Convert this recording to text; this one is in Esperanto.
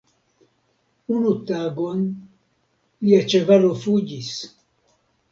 Unu tagon, lia ĉevalo fuĝis.